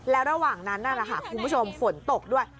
แล้วระหว่างนั้นคุณผู้ชมฝนตกด้วย